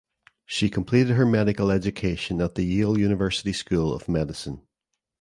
She completed her medical education at the Yale University School of Medicine.